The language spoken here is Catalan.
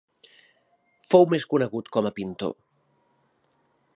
Fou més conegut com a pintor.